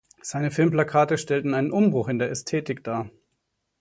Seine Filmplakate stellten einen Umbruch in der Ästhetik dar.